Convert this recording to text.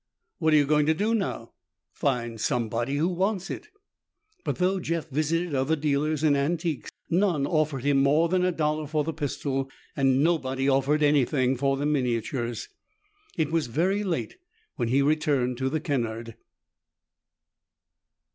"What are you going to do now?" "Find somebody who wants it." But, though Jeff visited other dealers in antiques, none offered him more than a dollar for the pistol and nobody offered anything for the miniatures. It was very late when he returned to the Kennard.